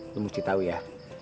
lu mesti tahu ya